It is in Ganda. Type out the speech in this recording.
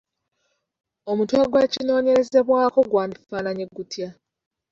Omutwe gw’ekinoonyerezebwako gwandifaananye gutya?